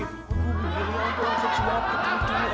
tuh gini om